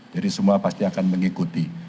jadi semua pasti akan mengikuti